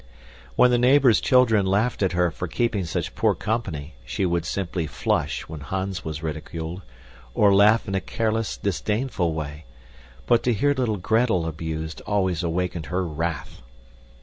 When the neighbors' children laughed at her for keeping such poor company, she would simply flush when Hans was ridiculed, or laugh in a careless, disdainful way, but to hear little Gretel abused always awakened her wrath.